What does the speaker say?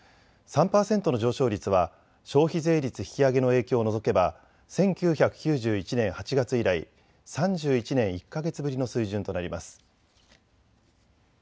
３％の上昇率は消費税率引き上げの影響を除けば１９９１年８月以来、３１年１か月ぶりの水準となります。